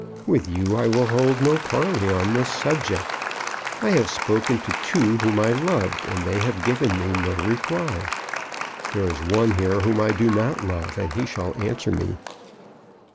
With you I will hold no parley on this subject. I have spoken to two whom I loved, and they have given me no reply. There is one here whom I do not love and he shall answer me.